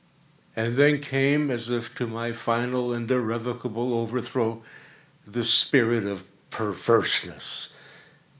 And then came, as if to my final and irrevocable overthrow, the spirit of PERVERSENESS.